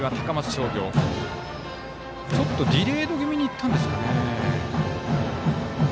商業ちょっとディレード気味にいったんですかね。